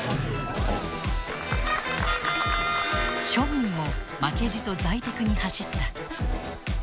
庶民も負けじと財テクに走った。